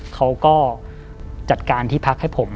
เขาก็จัดการที่พักให้ผม